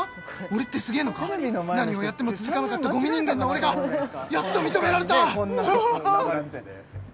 俺ってすげえのか何をやっても続かなかったゴミ人間の俺がやっと認められた！